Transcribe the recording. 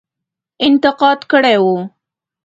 انتقاد کړی وو.